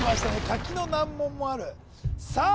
書きの難問もあるさあ